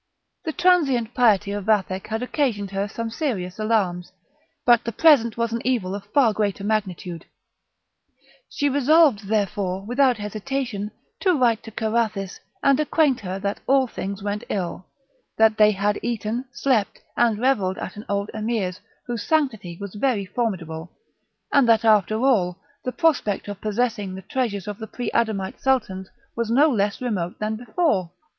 The transient piety of Vathek had occasioned her some serious alarms, but the present was an evil of far greater magnitude; she resolved, therefore, without hesitation, to write to Carathis, and acquaint her that all things went ill; that they had eaten, slept, and revelled at an old Emir's, whose sanctity was very formidable, and that after all, the prospect of possessing the treasures of the pre adamite Sultans was no less remote than before.